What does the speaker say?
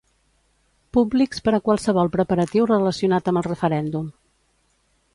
Públics per a qualsevol preparatiu relacionat amb el referèndum.